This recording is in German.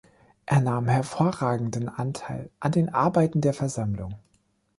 Er nahm hervorragenden Anteil an den Arbeiten der Versammlung.